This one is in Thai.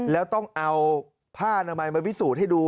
แล้วต้องเอาผ้านามัยมาพิสูจน์ให้ดู